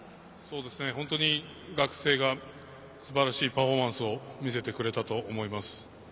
本当に、学生がすばらしいパフォーマンスを見せてくれたと思います。